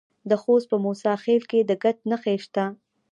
د خوست په موسی خیل کې د ګچ نښې شته.